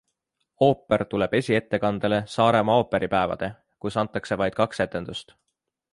Ooper tuleb esiettekandele Saaremaa ooperipäevade, kus antakse vaid kaks etendust.